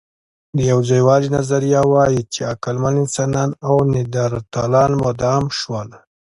د یوځایوالي نظریه وايي، چې عقلمن انسانان او نیاندرتالان مدغم شول.